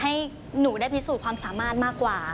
ให้หนูได้พิสูจน์ความสามารถมากกว่า